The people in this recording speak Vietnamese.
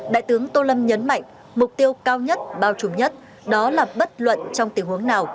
đại tướng tô lâm nhấn mạnh mục tiêu cao nhất bao trùm nhất đó là bất luận trong tình huống nào